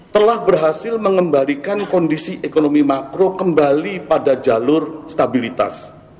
telah berhasil mengembalikan kondisi ekonomi makro kembali pada jalur stabilitas